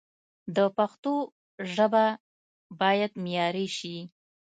د پښتو ژبه باید معیاري شي